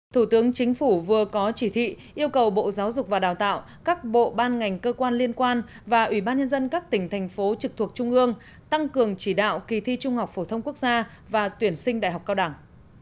thủ tướng chính phủ vừa có chỉ thị yêu cầu bộ giáo dục và đào tạo các bộ ban ngành cơ quan liên quan và ủy ban nhân dân các tỉnh thành phố trực thuộc trung ương tăng cường chỉ đạo kỳ thi trung học phổ thông quốc gia và tuyển sinh đại học cao đẳng